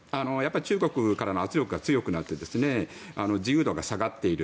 中国からの圧力が強くなって自由度が下がっている。